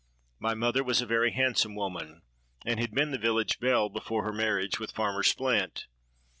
"My mother was a very handsome woman, and had been the village belle before her marriage with Farmer Splint.